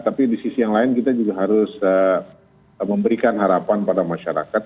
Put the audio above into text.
tapi di sisi yang lain kita juga harus memberikan harapan pada masyarakat